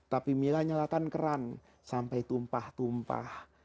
tapi mila nyalakan keran sampai tumpah tumpah